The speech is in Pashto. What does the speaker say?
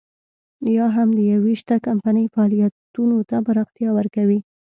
یا هم د يوې شته کمپنۍ فعالیتونو ته پراختیا ورکوي.